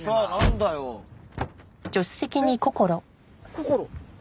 こころ！